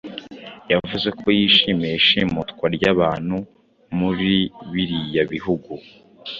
yavuze ko yishimiye ishimutwa rya bantu muribiriya bihugu